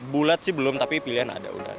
bulat sih belum tapi pilihan ada ular